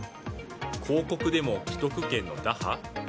広告でも既得権の打破？